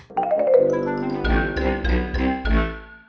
sekarang dia dimana nak